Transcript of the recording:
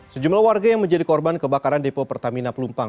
sejumlah warga yang menjadi korban kebakaran depo pertamina pelumpang